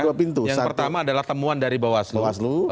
yang pertama adalah temuan dari bawaslu